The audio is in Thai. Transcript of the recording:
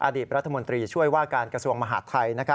อดีตรัฐมนตรีช่วยว่าการกระทรวงมหาดไทย